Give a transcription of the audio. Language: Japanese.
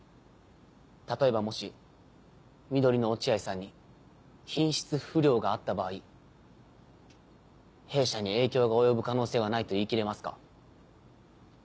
例えばもし「緑のおチアイさん」に品質不良があった場合弊社に影響が及ぶ可能性はないと言い切れますか？